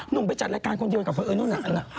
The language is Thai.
นุ่มไปจัดรายการคนเดียวกับเบอร์นู่น่ะ